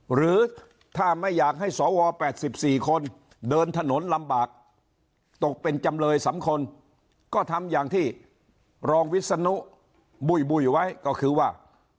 หรือถ้าไม่อยากให้สว๘๔คนเดินถนนลำบากตกเป็นจำเลย๓คนก็ทำอย่างที่รองวิศนุบุ้ยไว้ก็คือว่า